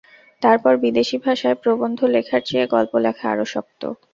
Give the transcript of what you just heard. তারপর বিদেশী ভাষায় প্রবন্ধ লেখার চেয়ে গল্প লেখা আরও শক্ত।